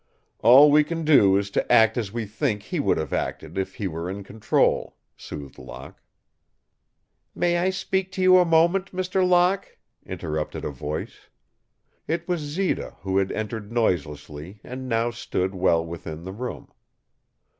"All we can do is to act as we think he would have acted if he were in control," soothed Locke. "May I speak to you a moment, Mr. Locke?" interrupted a voice. It was Zita who had entered noiselessly and now stood well within the room.